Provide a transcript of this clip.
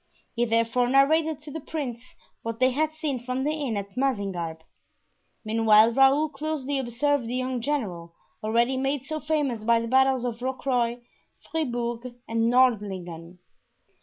He therefore narrated to the prince what they had seen from the inn at Mazingarbe. Meanwhile Raoul closely observed the young general, already made so famous by the battles of Rocroy, Fribourg, and Nordlingen.